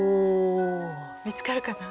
見つかるかなあ。